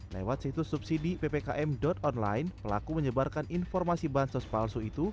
lewat situs subsidi ppkm online pelaku menyebarkan informasi bansos palsu itu